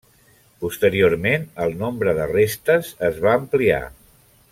Posteriorment el nombre de restes es va ampliar.